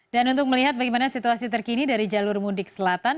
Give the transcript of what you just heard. dan untuk melihat bagaimana situasi terkini dari jalur mudik selatan